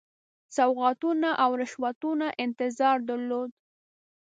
سوغاتونو او رشوتونو انتظار درلود.